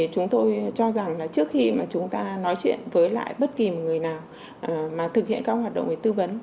chúng tôi cho rằng trước khi chúng ta nói chuyện với bất kỳ người nào thực hiện các hoạt động tư vấn